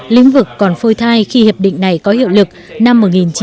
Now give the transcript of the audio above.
lĩnh vực còn phôi thai khi hiệp định này có hiệu lực năm một nghìn chín trăm tám mươi